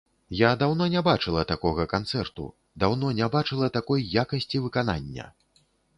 Я даўно не бачыла такога канцэрту, даўно не бачыла такой якасці выканання.